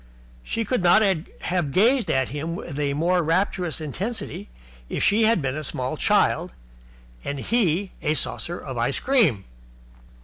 She could not have gazed at him with a more rapturous intensity if she had been a small child and he a saucer of ice cream.